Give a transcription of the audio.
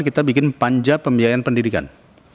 kita bikin panja pembiayaan pendidikan